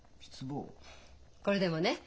これでもね